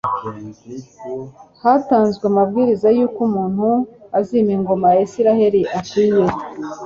hatanzwe amabwiriza y'uko umuntu uzima ingoma ya isirayeli akwiriye